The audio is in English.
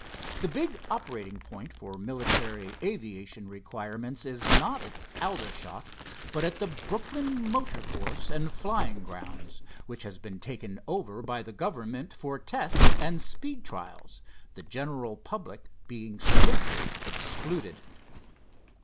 The big operating point for military aviation requirements is not at Aldershot, but at the Brookland Motor Course and Flying Grounds, which has been taken over by the government for tests and speed trials, the general public being strictly excluded."